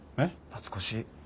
懐かしい。